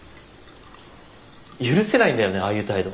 許せないんだよねああいう態度。